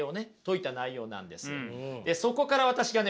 そこから私がね